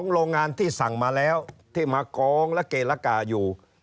โรงงานที่สั่งมาแล้วที่มากองและเกรกาอยู่